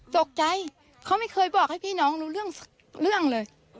ตกใจเขาไม่เคยบอกให้พี่น้องรู้เรื่องสักเรื่องเลย